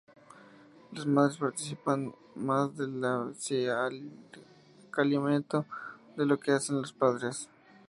Las madres participan más del acicalamiento de lo que lo hacen los padres.